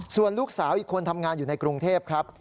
ส่วนลูกสาวอีกคนทำงานอยู่ในกรุงเทพครับ